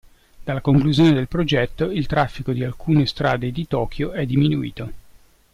Dalla conclusione del progetto, il traffico di alcune strade di Tokyo è diminuito.